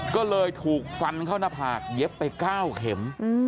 ก็เลยถูกฟันเข้าหน้าผากเย็บไป๙เข็ม